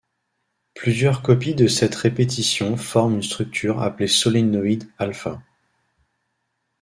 Plusieurs copies de cette répétition forment une structure appelée solénoïde α.